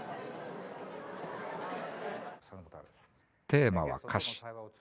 テーマは「歌詞」。